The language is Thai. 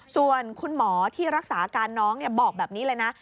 ส่วนคุณหมอที่รักษาอาการน้องบอกแบบนี้เลยนะ